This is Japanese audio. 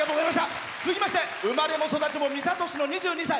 続きまして生まれも育ちも三郷市の２２歳。